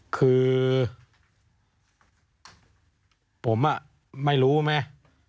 คือผมไม่รู้ไหม